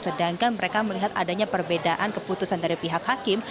sedangkan mereka melihat adanya perbedaan keputusan dari pihak hakim